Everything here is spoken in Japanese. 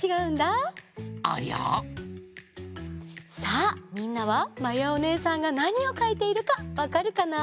さあみんなはまやおねえさんがなにをかいているかわかるかな？